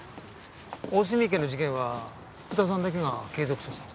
大澄池の事件は福田さんだけが継続捜査を？